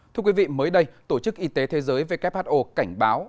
thưa quý vị mới đây tổ chức y tế thế giới who cảnh báo